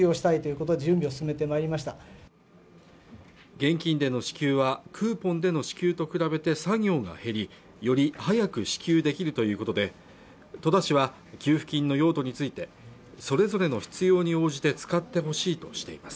現金での支給はクーポンでの支給と比べて作業が減りより早く支給できるということで戸田市は給付金の用途についてそれぞれの必要に応じて使ってほしいとしています